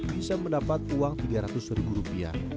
bisa mendapat uang rp tiga ratus